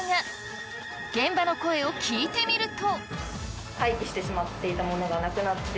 現場の声を聞いてみると。